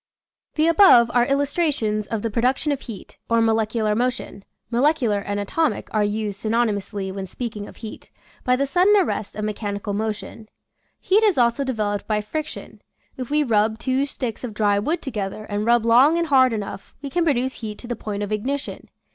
The above are illustrations of the produc tion of heat, or molecular motion (" molecu lar " and " atomic " are used synonymously when speaking of heat), by the sudden arrest of mechanical motion. Heat is also developed by friction. If we rub two sticks of dry wood together and rub long and hard enough we can produce heat to the point of ignition.